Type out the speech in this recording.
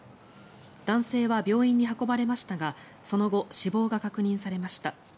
男性は病院に運ばれましたがその後、死亡が確認されました。